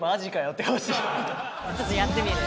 ちょっとやってみる？